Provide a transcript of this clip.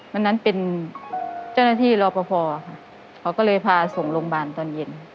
วันนั้นเป็นเจ้าหน้าที่รอปภค่ะเขาก็เลยพาส่งโรงพยาบาลตอนเย็น